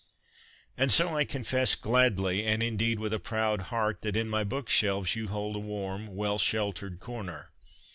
And so I confess gladly, and, indeed, with a proud heart, that in my bookshelves you hold a warm, well sheltered corner.